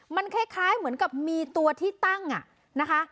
มันคล้ายเหมือนกับมีตัวที่ตั้งนะคะ